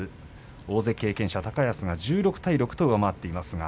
大関経験者、高安が１６対６と上回っています。